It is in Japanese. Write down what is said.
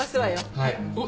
はい。